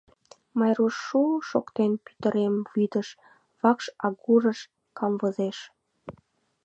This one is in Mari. Майруш, шу-у-у шоктен, пӱтырем вӱдыш, вакш агурыш, камвозеш.